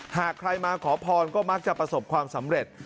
หากใครมาขอพรก็มักจะประสบความสำเร็จ